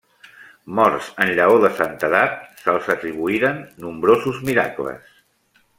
Morts en llaor de santedat, se'ls atribuïren nombrosos miracles.